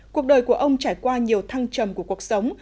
cuộc đời của ông trải qua nhiều thăng trầm của cuộc sống